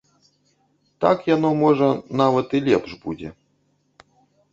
Так яно, можа, нават і лепш будзе.